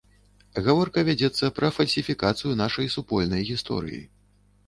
Гаворка вядзецца пра фальсіфікацыю нашай супольнай гісторыі.